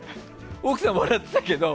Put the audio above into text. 奥さん笑ってたけど。